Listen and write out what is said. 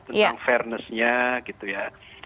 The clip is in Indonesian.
tentang fairnessnya gitu ya